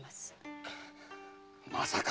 まさか！